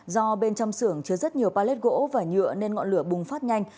do bên trong xưởng chứa rất nhiều pallet gỗ và nhựa nên ngọn lửa bùng phát nhanh